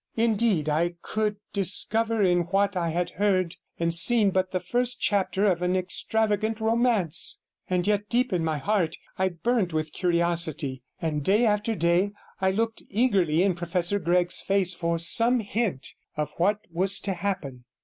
Indeed, I could discover in what I had heard and seen but the first chapter of an extravagant romance; and yet deep in my heart I burned with curiosity, and day after day I looked eagerly in Professor Gregg's face for some hint of what was to happen.